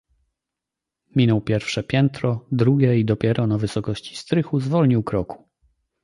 "Minął pierwsze piętro, drugie i dopiero na wysokości strychu zwolnił kroku."